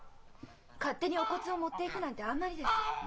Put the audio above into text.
勝手にお骨を持っていくなんてあんまりです。